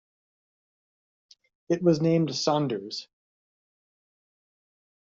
It was named 'Saunders'.